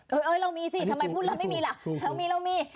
เรามีสิทำไมพูดเราไม่มีล่ะ